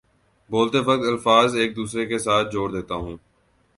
بولتے وقت الفاظ ایک دوسرے کے ساتھ جوڑ دیتا ہوں